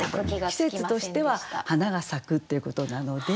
季節としては花が咲くっていうことなので。